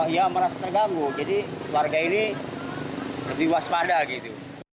ya merasa terganggu jadi warga ini lebih waspada gitu